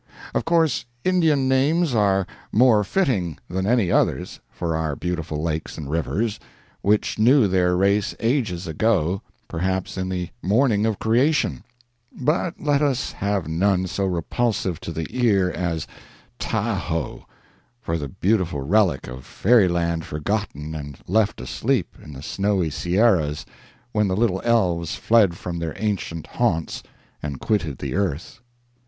Of course Indian names are more fitting than any others for our beautiful lakes and rivers, which knew their race ages ago, perhaps, in the morning of creation, but let us have none so repulsive to the ear as "Tahoe" for the beautiful relic of fairy land forgotten and left asleep in the snowy Sierras when the little elves fled from their ancient haunts and quitted the earth.